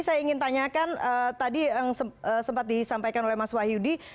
saya ingin tanyakan tadi yang sempat disampaikan oleh mas wahyudi